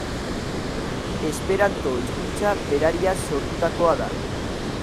Esperanto hizkuntza berariaz sortutakoa da.